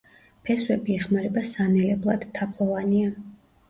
ფესვები იხმარება სანელებლად, თაფლოვანია.